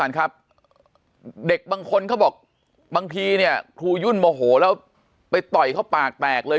ครับเด็กบางคนเขาบอกบางทีเนี่ยครูยุ่นโมโหแล้วไปต่อยเขาปากแตกเลย